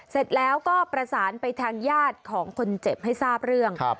เสร็จแล้วก็ประสานไปทางญาติของคนเจ็บให้ทราบเรื่อง